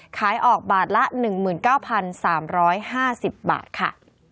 ขายออกบาทละ๑๙๓๕๐บาทค่ะ